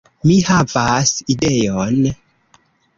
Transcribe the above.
Mi havas ideon!